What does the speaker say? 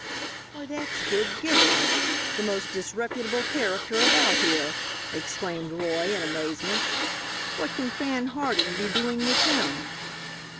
"Why, that's Gid Gibbons, the most disreputable character about here," exclaimed Roy, in amazement. "What can Fan Harding be doing with him?"